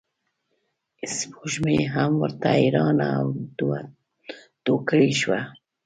سپوږمۍ هم ورته حیرانه او دوه توکړې شوه.